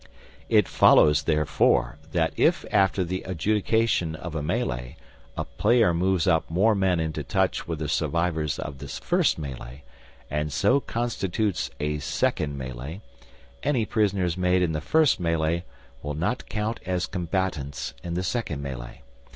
It follows, therefore, that if after the adjudication of a melee a player moves up more men into touch with the survivors of this first melee, and so constitutes a second melee, any prisoners made in the first melee will not count as combatants in the second melee.